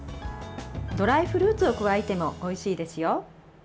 ドライフルーツを加えてもおいしいですよ。